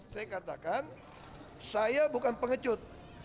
saya katakan saya bukan pengecut